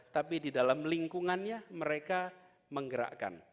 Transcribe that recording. tapi di dalam lingkungannya mereka menggerakkan